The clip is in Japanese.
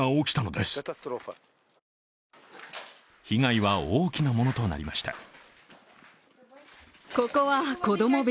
被害は大きなものとなりました。